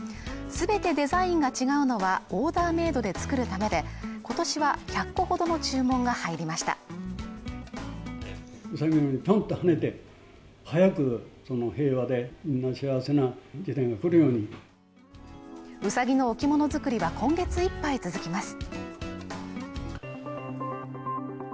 全てデザインが違うのはオーダーメイドで作るためでことしは１００個ほどの注文が入りましたウサギの置物作りは今月いっぱい続きます